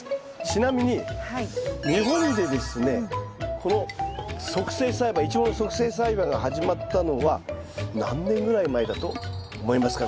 ちなみに日本でですねこの促成栽培イチゴの促成栽培が始まったのは何年ぐらい前だと思いますか？